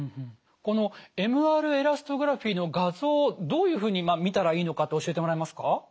このＭＲエラストグラフィの画像どういうふうに見たらいいのかって教えてもらえますか？